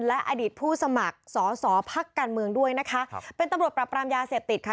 และอดีตผู้สมัครสอสอพักการเมืองด้วยนะคะครับเป็นตำรวจปรับปรามยาเสพติดค่ะ